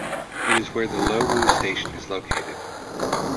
It is where the Lo Wu Station is located.